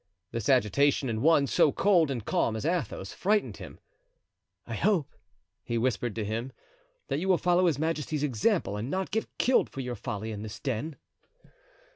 This agitation in one so cold and calm as Athos, frightened him. "I hope," he whispered to him, "that you will follow his majesty's example and not get killed for your folly in this den."